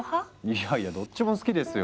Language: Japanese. いやいやどっちも好きですよ。